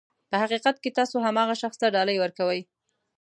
په حقیقت کې تاسو هماغه شخص ته ډالۍ ورکوئ.